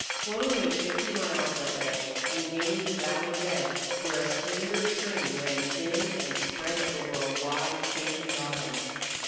Slone made fifty miles that day, and gained the valley bed, where a slender stream ran thin and spread over a wide sandy bottom.